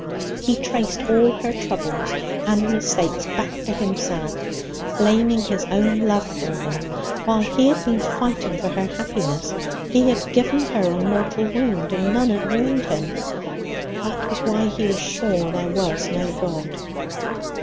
He traced all her troubles and mistakes back to himself, blaming his own love for them. While he had been fighting for her happiness, he had given her a mortal wound, and none had warned him. That was why he was sure there was no God.